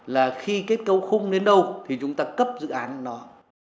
là khi kết cấu khung đến đâu thì chúng ta cấp dự án nó